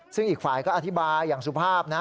ซึ่งอีกฝ่ายก็อธิบายอย่างสุภาพนะ